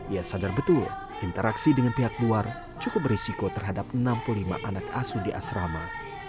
ia sadar betul interaksi dengan pihak luar cukup berisiko terhadap enam puluh lima anak asuh di asrama